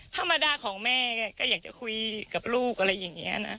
ธรรมดาของแม่เนี่ยจะคุยกับลูกอะไรอย่างเงี้ยนะ